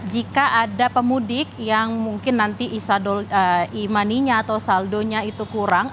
jika ada pemudik yang mungkin nanti e money nya atau saldonya itu kurang